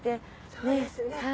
そうですね。